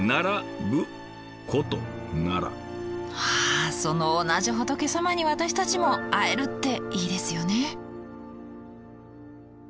はその同じ仏様に私たちも会えるっていいですよね。